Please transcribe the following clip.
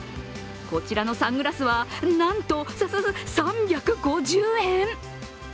こちらのサングラスは、なんと、さささ３５０円？